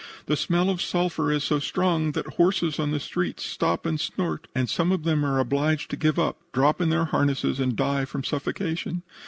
The smell of sulphur is so strong that horses on the streets stop and snort, and some of them are obliged to give up, drop in their harness and die from suffocation.